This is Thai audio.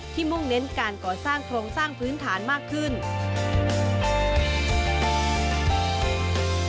มุ่งเน้นการก่อสร้างโครงสร้างพื้นฐานมากขึ้น